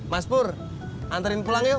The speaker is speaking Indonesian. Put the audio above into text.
mas pur anterin pulang yuk